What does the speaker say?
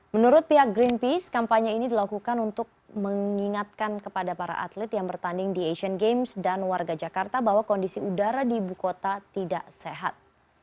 menurut pihak greenpeace kampanye ini dilakukan untuk mengingatkan kepada para atlet yang bertanding di asian games dan warga jakarta bahwa kondisi udara di ibu kota tidak sehat